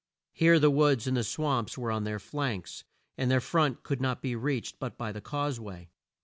Here the woods and swamps were on their flanks, and their front could not be reached but by the cause way.